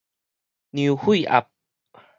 量血壓